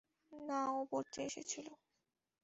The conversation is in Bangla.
না, ও পড়তে এসেছিলো।